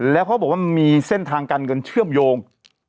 แล้วเขาบอกว่ามันมีเส้นทางการเงินเชื่อมโยง